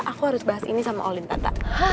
aku harus bahas ini sama olin tata